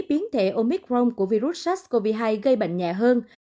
biến thể omicron của virus sars cov hai gây bệnh nhẹ hơn